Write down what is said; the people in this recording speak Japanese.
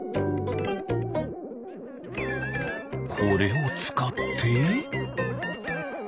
これをつかって。